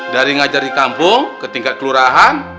dari ngajar di kampung ke tingkat kelurahan